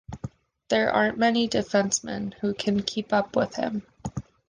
There aren't many defensemen who can keep up with him.